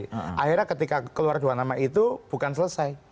jadi ketika keluar dua nama itu bukan selesai